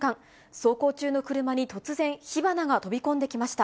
走行中の車に突然、火花が飛び込んできました。